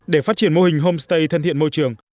để phát triển mô hình homestay thân thiện môi trường